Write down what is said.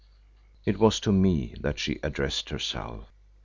It was to me that she addressed herself.